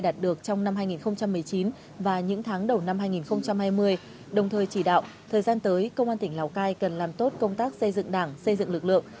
đạt được trong năm hai nghìn một mươi chín và những tháng đầu năm hai nghìn hai mươi đồng thời chỉ đạo thời gian tới công an tỉnh lào cai cần làm tốt công tác xây dựng đảng xây dựng lực lượng